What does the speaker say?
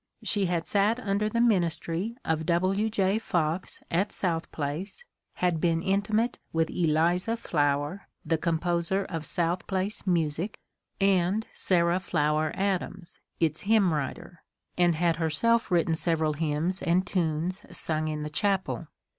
She had sat under the ministry of W. J. Fox at South Place ; had been intimate with Eliza Flower, the composer of South Place music, and Sarah Flower Adams, its hymn writer, and had herself writ ten several hymns and tunes sung in the chapel.